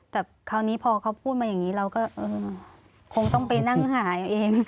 แต่คราวนี้พอเขาพูดมาอย่างนี้เราก็คงต้องไปนั่งหายเอาเอง